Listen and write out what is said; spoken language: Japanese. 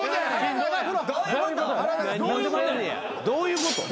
どういうこと？